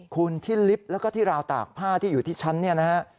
คุณที่ลิฟต์แล้วก็ที่ราวตากผ้าที่อยู่ที่ชั้นเนี่ยนะฮะ